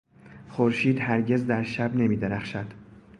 خورشید هرگز در شب نمیدرخشد.